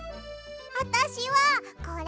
あたしはこれ！